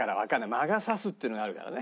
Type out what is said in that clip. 魔が差すっていうのがあるからね。